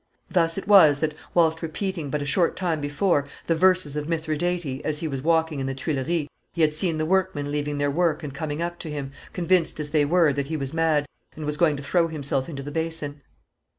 Thus it was that, whilst repeating, but a short time before, the verses of Mithridate, as he was walking in the Tuileries, he had seen the workmen leaving their work and coming up to him, convinced as they were that he was mad, and was going to throw himself into the basin.